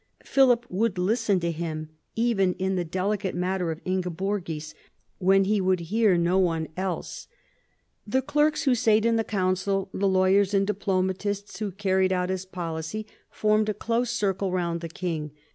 Philip would listen to him, even in the delicate matter of Ingeborgis, when he would hear no one else. 222 PHILIP AUGUSTUS chap. The clerks who sate in the council, the lawyers and diplomatists who carried out his policy, formed a close circle round the king.